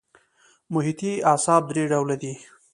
محیطي اعصاب درې ډوله دي.